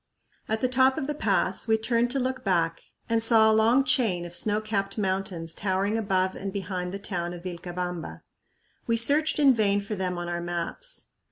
At the top of the pass we turned to look back and saw a long chain of snow capped mountains towering above and behind the town of Vilcabamba. We searched in vain for them on our maps.